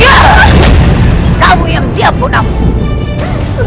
janganlah kita tip cadaeruru vouce ini